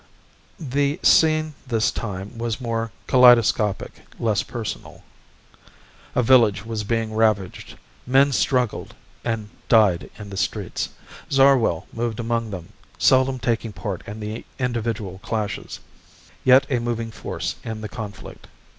The scene this time was more kaleidoscopic, less personal. A village was being ravaged. Men struggled and died in the streets. Zarwell moved among them, seldom taking part in the individual clashes, yet a moving force in the conflict.